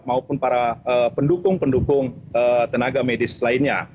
maupun para pendukung pendukung tenaga medis lainnya